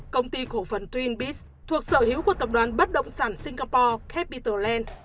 công ty khổ phần twin beasts thuộc sở hữu của tập đoàn bất động sản singapore